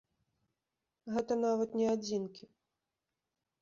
Гэта нават не адзінкі.